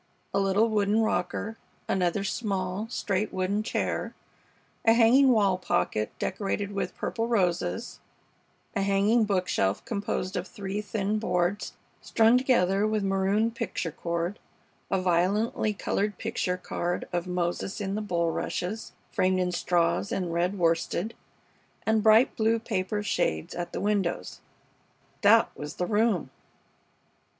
A little wooden rocker, another small, straight wooden chair, a hanging wall pocket decorated with purple roses, a hanging bookshelf composed of three thin boards strung together with maroon picture cord, a violently colored picture card of "Moses in the Bulrushes" framed in straws and red worsted, and bright blue paper shades at the windows. That was the room!